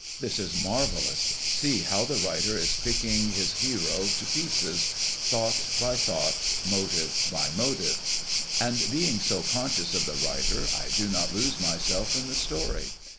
'This is marvelous; see how the writer is picking his hero to JOSEPH CROSBY LIXCOLN 11 piecH.s. thought by thought, motive by motive.' And being so conscious of the writer, I do not lose myself in the story.